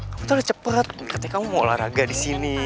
kamu tau gak cepet katanya kamu mau olahraga di sini